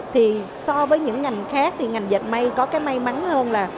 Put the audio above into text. thì so với những ngành khác thì ngành dịch may có cái may mắn hơn là